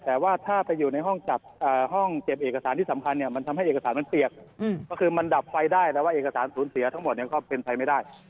แต่ว่าถ้าไปอยู่ในห้องจับห้องเก็บเอกสารที่สำคัญเนี่ยมันทำให้เอกสารมันเปียกก็คือมันดับไฟได้แล้วว่าเอกสารสูญเสียทั้งหมดก็เป็นไปไม่ได้